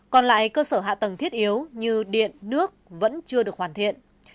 còn lại cơ sở hạ tầng thiết yếu như điện nước vẫn chưa được hoàn thiện